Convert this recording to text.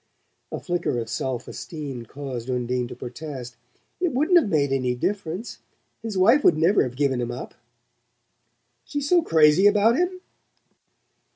A flicker of self esteem caused Undine to protest. "It wouldn't have made any difference. His wife would never have given him up." "She's so crazy about him?"